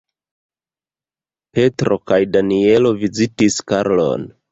Petro kaj Danjelo vizitis Karlon.